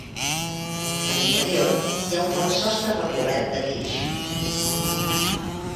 A l'interior hi ha un fals sostre recobert de guix.